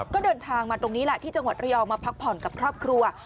ก็เดินทางมาตรงนี้แหละที่จังหวัดระยองมาพักผ่อนกับครอบครัว